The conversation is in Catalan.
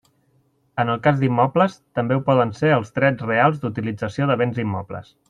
En el cas d'immobles, també ho poden ser els drets reals d'utilització de béns immobles.